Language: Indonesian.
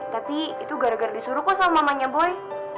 tapi itu gara gara disuruh kok sama mamanya boy